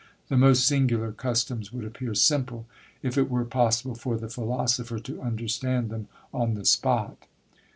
The most singular customs would appear simple, if it were possible for the philosopher to understand them on the spot.